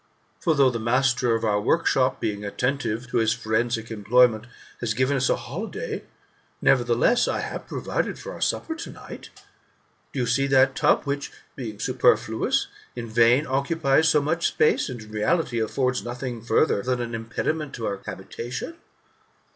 For, though the master of our workshop, being atten tive to his forensic employment, has given us a' holiday, nevertheless, I have provided for our supper to night. Do you' see that tub which, being superfluous, in vain occupies so much space, and, in reality, affords nothing farther than an impediment to our habitation